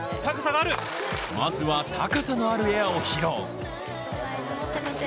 まずは高さのあるエアを披露。